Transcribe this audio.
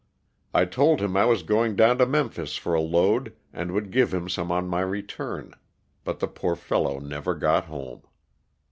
I told him I was going down to Memphis for a load and would give him some on my return, but the poor fellow never got home.